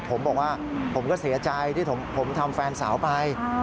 ผมบอกว่าผมก็เสียใจที่ผมทำแฟนสาวไป